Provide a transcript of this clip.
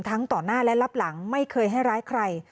ต่อหน้าและรับหลังไม่เคยให้ร้ายใคร